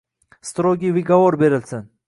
— Strogiy vigovor berilsin!